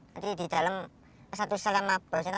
nanti di dalam satu setan nama bosnya